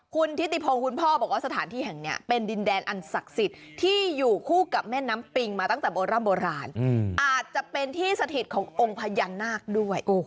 คุณทิติพงศ์คุณพ่อบอกว่าสถานที่แห่งนี้เป็นดินแดนอันศักดิ์สิทธิ์ที่อยู่คู่กับแม่น้ำปิงมาตั้งแต่โบร่ำโบราณอาจจะเป็นที่สถิตขององค์พญานาคด้วย